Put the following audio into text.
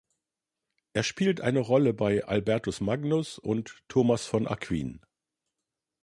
Er spielt eine Rolle bei Albertus Magnus und Thomas von Aquin.